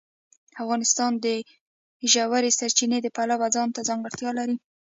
افغانستان د ژورې سرچینې د پلوه ځانته ځانګړتیا لري.